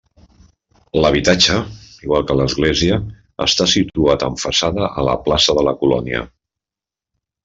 L'habitatge, igual que l'església, està situat amb façana a la plaça de la colònia.